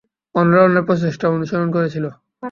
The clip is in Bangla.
অন্যরা ওনার প্রচেষ্টা অনুসরণ করেছিল।